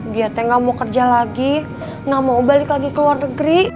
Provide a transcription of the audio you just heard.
dia teh gak mau kerja lagi gak mau balik lagi ke luar negeri